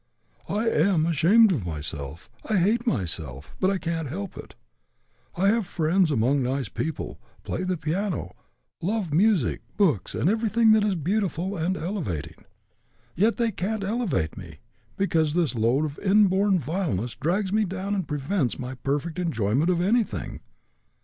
I am ashamed of myself; I hate myself; but I can't help it. I have friends among nice people, play the piano, love music, books, and everything that is beautiful and elevating; yet they can't elevate me, because this load of inborn vileness drags me down and prevents my perfect enjoyment of anything.